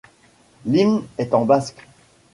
L'hymne est en basque.